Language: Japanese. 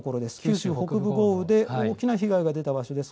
九州北部豪雨で大きな被害が出た場所です。